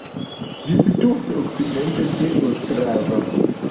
Ĝi situas okcidente de Ostrava.